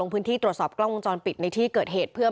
ไม่ได้ถามส้มไหมว่าเกิดอะไรขึ้น